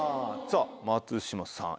さぁ松島さん